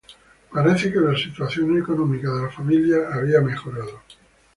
Parece que la situación económica de la familia había mejorado.